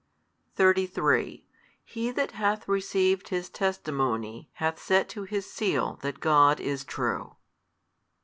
33 He that hath received His testimony hath set to his seal that God is true.